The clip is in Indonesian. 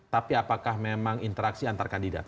tapi apakah memang interaksi antar kandidat